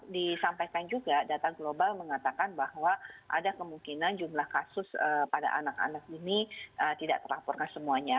disampaikan juga data global mengatakan bahwa ada kemungkinan jumlah kasus pada anak anak ini tidak terlaporkan semuanya